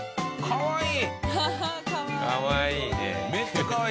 かわいい！